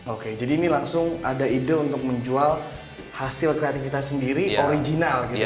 oke jadi ini langsung ada ide untuk menjual hasil kreativitas sendiri original gitu ya